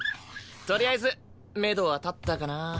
とりあえずめどは立ったかな？